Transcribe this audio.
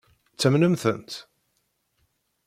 Ttamnen-tent?